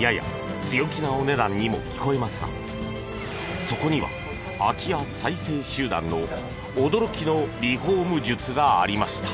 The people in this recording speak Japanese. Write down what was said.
やや強気なお値段にも聞こえますがそこには空き家再生集団の驚きのリフォーム術がありました。